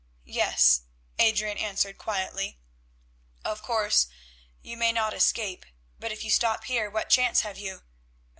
"Yes," Adrian answered quietly. "Of course you may not escape, but if you stop here what chance have you?